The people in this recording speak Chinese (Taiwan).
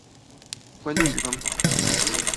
觀念與方法